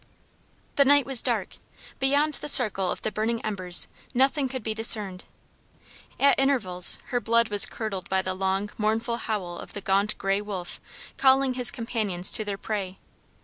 The night was dark: beyond the circle of the burning embers nothing could be discerned. At intervals, her blood was curdled by the long, mournful howl of the gaunt gray wolf calling his companions to their prey.